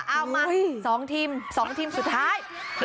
เอามา๒ทีม๒ทีมสุดท้าย